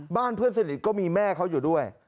เพื่อนสนิทก็มีแม่เขาอยู่ด้วย